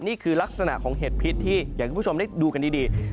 นี่คือลักษณะของเห็ดพิษที่อย่างคุณผู้ชมได้ดูกันดี